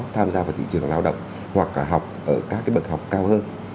tham gia vào thị trường lao động hoặc học ở các bậc học cao hơn